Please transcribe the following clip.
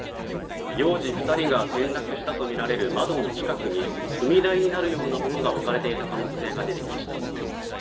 幼児２人が転落したとみられる窓の近くに踏み台になるようなものが置かれていた可能性が出てきました。